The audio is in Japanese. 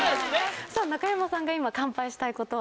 中山さんが今乾杯したいことは？